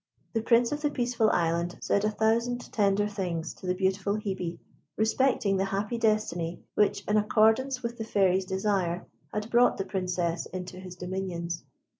The Prince of the Peaceful Island said a thousand tender things to the beautiful Hebe respecting the happy destiny which, in accordance with the Fairy's desire, had brought the Princess into his dominions.